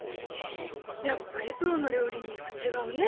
やっぱりプロの料理人は違うね。